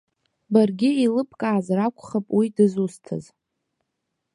Баргьы еилыбкаазар акәхап уи дызусҭаз.